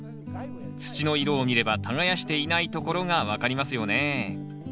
土の色を見れば耕していないところが分かりますよね